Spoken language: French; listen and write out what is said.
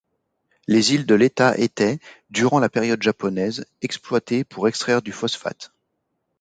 Les îles de l’État était, durant la période japonaise, exploitée pour extraire du phosphate.